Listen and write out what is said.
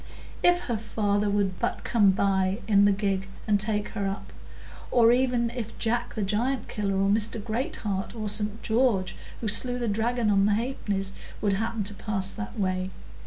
If her father would but come by in the gig and take her up! Or even if Jack the Giantkiller, or Mr Greatheart, or St George who slew the dragon on the half pennies, would happen to pass that way!